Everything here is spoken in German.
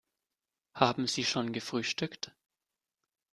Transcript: Haben Sie schon gefrühstückt?